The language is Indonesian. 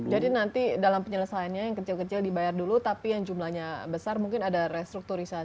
jadi nanti dalam penyelesaiannya yang kecil kecil dibayar dulu tapi yang jumlahnya besar mungkin ada restrukturisasi